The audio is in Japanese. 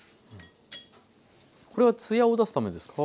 これは艶を出すためですか？